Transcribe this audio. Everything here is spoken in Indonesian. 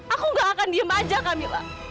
aku gak akan diem aja kamilah